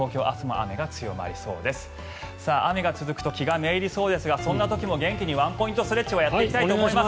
雨が続くと気がめいりそうですがそんな時も元気にワンポイントストレッチをやっていきたいと思います。